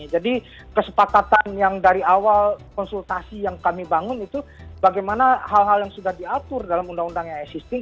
jadi kesepakatan yang dari awal konsultasi yang kami bangun itu bagaimana hal hal yang sudah diatur dalam undang undang yang existing